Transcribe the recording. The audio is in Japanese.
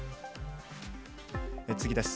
次です。